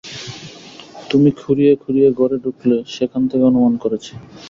তুমি খুঁড়িয়ে-খুড়িয়ে ঘরে ঢুকলে, সেখান থেকে অনুমান করেছি।